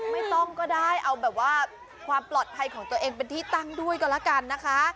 ไม่ต้องก็ได้เอาแบบว่าความปลอดภัยของตัวเองเป็นที่ตั้งด้วยก็แล้วกันนะคะ